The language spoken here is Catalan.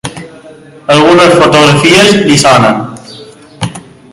Algunes fotografies li sonen.